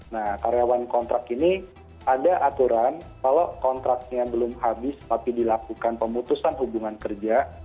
nah karyawan kontrak ini ada aturan kalau kontraknya belum habis tapi dilakukan pemutusan hubungan kerja